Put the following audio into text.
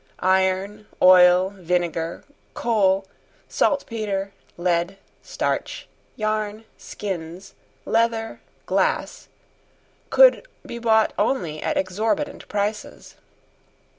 Iron, oil, vinegar, coal, saltpetre, lead, starch, yarn, skins, leather, glass, could be bought only at exorbitant prices.